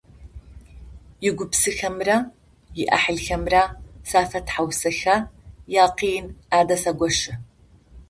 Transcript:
Игупсэхэмрэ иӏахьылхэмрэ сафэтхьаусыхэ, якъин адэсэгощы.